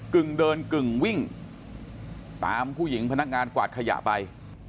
กึ่งเดินกึ่งวิ่งตามผู้หญิงพนักงานกวาดขยะไป